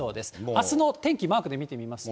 あすの天気、マークで見てみますと。